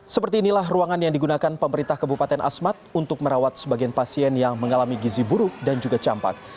seperti inilah ruangan yang digunakan pemerintah kabupaten asmat untuk merawat sebagian pasien yang mengalami gizi buruk dan juga campak